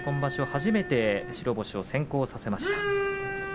初めて白星を先行させました。